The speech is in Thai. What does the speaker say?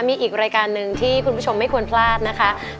มีอีกรายการหนึ่งที่คุณผู้ชมไม่ควรพลาดนะคะ